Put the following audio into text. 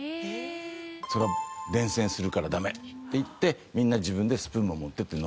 それは伝染するからダメっていってみんな自分でスプーンを持ってって飲むように。